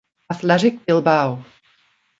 Athletic Bilbao